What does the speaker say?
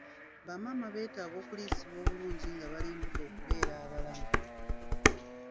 Bamaama beetaaga okuliisibwa obulungi nga bali mbuto okubeera abalamu.